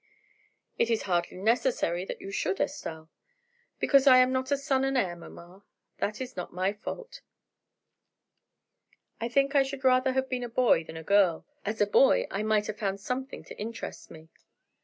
"It is hardly necessary that you should, Estelle." "Because I am not a son and heir, mamma, that is not my fault. I think I should rather have been a boy than a girl. As a boy I might have found something to interest me."